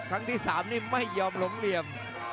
ครั้งที่๓นี่ไม่ยอมหลงเหลี่ยม